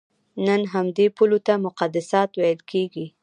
نن همدې پولو ته مقدسات ویل کېږي.